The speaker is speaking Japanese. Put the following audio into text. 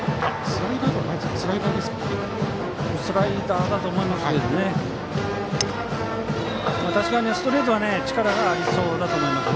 スライダーだと思います。